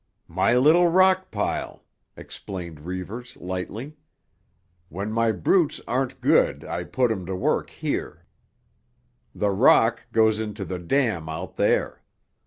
"My little rock pile," explained Reivers lightly. "When my brutes aren't good I put 'em to work here. The rock goes into the dam out there.